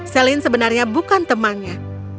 celine sebenarnya bukan temannya